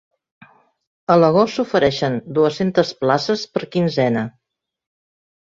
A l’agost s’ofereixen dues-centes places per quinzena.